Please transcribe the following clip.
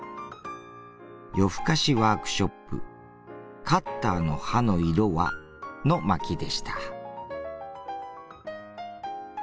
夜ふかしワークショップ「カッターの刃の色は」の巻でした。